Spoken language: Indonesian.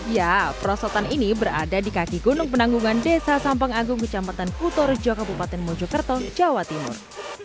ya perosotan ini berada di kaki gunung penanggungan desa sampang agung kecamatan kutorjo kabupaten mojokerto jawa timur